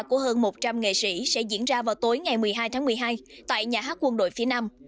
của hơn một trăm linh nghệ sĩ sẽ diễn ra vào tối ngày một mươi hai tháng một mươi hai tại nhà hát quân đội phía nam